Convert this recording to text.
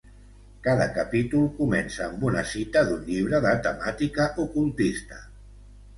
Cada capítol comença amb una cita d'un llibre de temàtica ocultista.